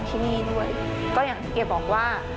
ที่นี่ด้วยก็อย่างที่แกบอกว่า